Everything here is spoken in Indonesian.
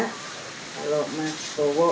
kalau mas gowo